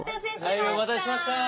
はいお待たせしました！